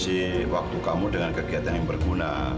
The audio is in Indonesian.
siapkan sih waktu kamu dengan kegiatan yang berguna